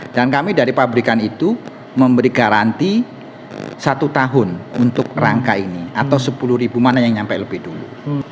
dan kami dari pabrikan itu memberi garanti satu tahun untuk rangka ini atau sepuluh ribu mana yang nyampe lebih dulu